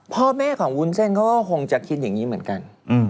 พ่อแม่ของวุ้นเส้นเขาก็คงจะคิดอย่างนี้เหมือนกัน